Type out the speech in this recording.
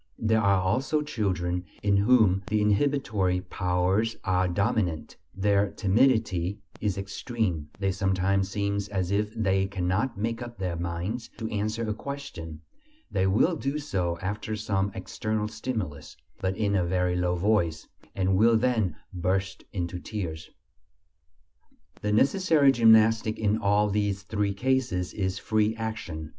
There are also children in whom the inhibitory powers are dominant; their timidity is extreme: they sometimes seem as if they cannot make up their minds to answer a question; they will do so after some external stimulus, but in a very low voice, and will then burst into tears. The necessary gymnastic in all these three cases is free action.